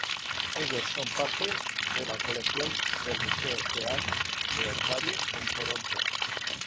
Ellos son parte de la colección del Museo Real de Ontario en Toronto.